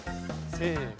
せの。